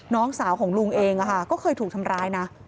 น้องสาวของลุงเองก็เคยถูกทำร้ายนะ